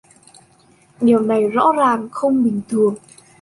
Điều này rõ ràng là không bình thường